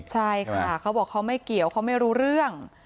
ใช่ค่ะเขาบอกเขาไม่เกี่ยวเขาไม่รู้เรื่อง